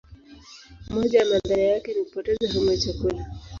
Moja ya madhara yake ni kupoteza hamu ya chakula.